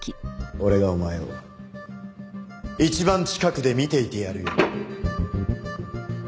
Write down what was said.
俺がお前を一番近くで見ていてやる。